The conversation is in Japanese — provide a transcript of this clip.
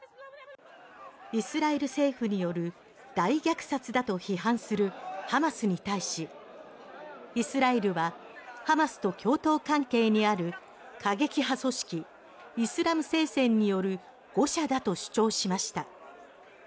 イスラエル政府による大虐殺だと批判するハマスに対しイスラエルはハマスと共闘関係にある過激派組織イスラム聖戦による誤射だと主張しました。